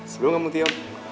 sebelum kamu tiong